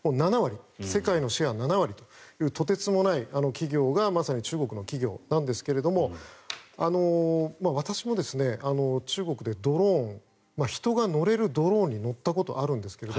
世界のシェア７割というとてつもない企業がまさに中国の企業なんですが私も中国でドローン人が乗れるドローンに乗ったことがあるんですが。